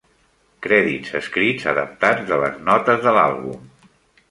Crèdits escrits adaptats de les notes de l'àlbum.